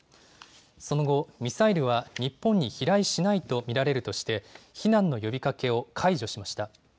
その後、ミサイルは日本に飛来しないと見られるとして避難の呼びかけを解除しました。